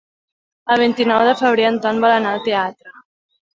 El vint-i-nou de febrer en Ton vol anar al teatre.